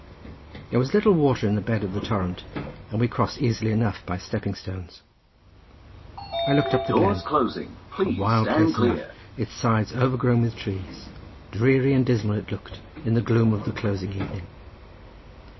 There was little water in the bed of the torrent, and we crossed easily enough by stepping stones. I looked up the glen; a wild place enough, its sides overgrown with trees. Dreary and dismal it looked in the gloom of the closing evening.